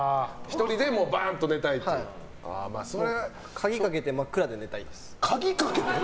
鍵かけて、真っ暗で寝たいです。